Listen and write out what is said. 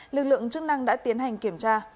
lực lượng chức năng đã tiến hành kiểm tra